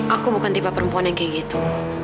aku bukan tiba perempuan yang kayak gitu